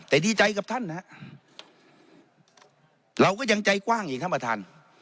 แต่ดีใจกับท่านฮะเราก็ยังใจกว้างอีกท่านประธาน